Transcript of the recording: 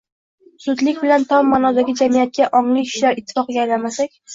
— zudlik bilan tom ma’nodagi jamiyatga — ongli kishilar ittifoqiga aylanmasak